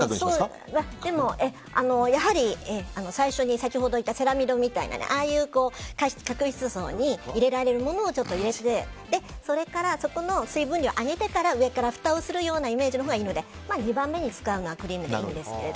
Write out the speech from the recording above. でも、やはり最初に先ほど言ったセラミドみたいな角質層に入れられるものを入れてそれからそこの水分量を上げてから上からふたをするようなイメージのほうがいいので２番目に使うのはクリームでいいんですが。